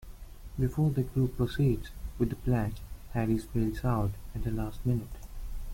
Before the group proceeds with the plan, Harris bails out at the last minute.